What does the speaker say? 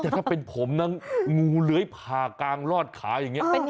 แต่ถ้าเป็นผมนะงูเลื้อยผ่ากลางลอดขาอย่างนี้